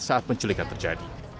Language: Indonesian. saat penculikan terjadi